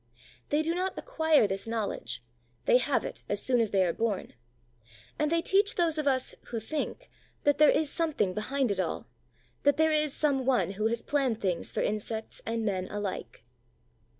They do not acquire this knowledge, they have it as soon as they are born. And they teach those of us who think that there is something behind it all, that there is Some One who has planned things for insects and men alike.